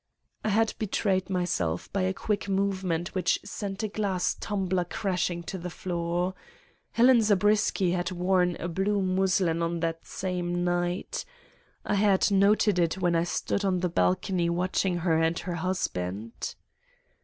"I had betrayed myself by a quick movement which sent a glass tumbler crashing to the floor. Helen Zabriskie had worn a blue muslin on that same night. I had noted it when I stood on the balcony watching her and her husband.